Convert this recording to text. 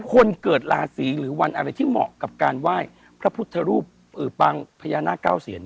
คนเกิดราศีหรือวันอะไรที่เหมาะกับการไหว้พระพุทธรูปปางพญานาคเก้าเซียน